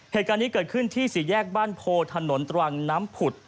เหตุการณ์นี้เกิดขึ้นที่สี่แยกบ้านโพถนนตรังน้ำผุด